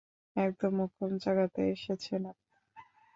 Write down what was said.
একদম মোক্ষম জায়গাতে এসেছেন আপনি!